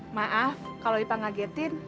maaf kalau ipah ngagetin